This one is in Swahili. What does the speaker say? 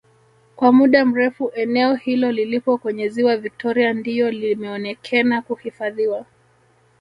Kwa muda mrefu eneo hilo lilipo kwenye Ziwa Victoria ndiyo limeonekena kuhifadhiwa